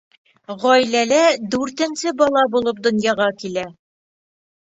Ғаиләлә дүртенсе бала булып донъяға килә.